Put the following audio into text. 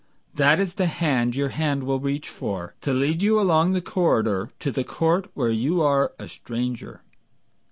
That is the hand your hand will reach for, To lead you along the corridor To the court where you are a stranger!